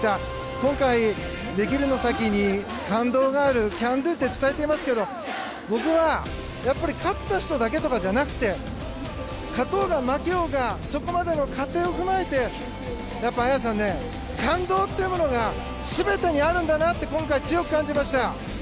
今回、できるの先に感動があるＣＡＮＤＯって伝えてますけど僕はやっぱり勝った人だけとかじゃなくて勝とうが負けようがそこまでの過程を踏まえて綾さん、感動というものが全てにあるんだなって今回、強く感じました。